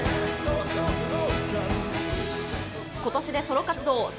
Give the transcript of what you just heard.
ことしでソロ活動